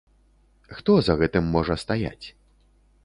Хто за гэтым можа стаяць?